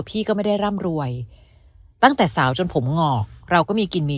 พี่ก็ไม่ได้ร่ำรวยตั้งแต่สาวจนผมงอกเราก็มีกินมี